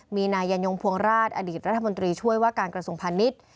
มีนายยันยงพวงราชอดีตรัฐมนตรีช่วยว่าการกระทรวงพาณิชย์